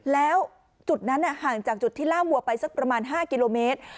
แล้วจุดนั้นห่างจากจุดที่ล่ามวัวไปสักประมาณ๕กิโลเมตร